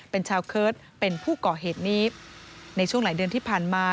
เป็นชาวเคิร์ตเป็นผู้ก่อเหตุนี้ในช่วงหลายเดือนที่ผ่านมา